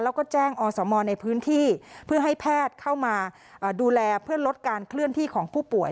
แล้วก็แจ้งอสมในพื้นที่เพื่อให้แพทย์เข้ามาดูแลเพื่อลดการเคลื่อนที่ของผู้ป่วย